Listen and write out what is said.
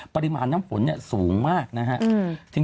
ปริมาณน้ำฝนสูงมากนะครับ